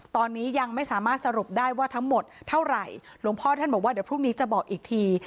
ตอนนี้ยังไม่สามารถสรุปได้ว่าทั้งหมดเท่าไหร่หลวงพ่อท่านบอกว่าเดี๋ยวพรุ่งนี้จะบอกอีกที